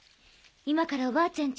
今からおばあちゃん